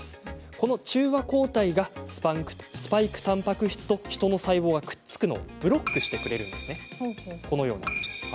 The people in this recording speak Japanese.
この中和抗体がスパイクたんぱく質とヒトの細胞がくっつくのをブロックしてくれるんです。